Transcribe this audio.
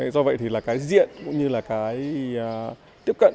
do vậy thì là cái diện cũng như là cái tiếp cận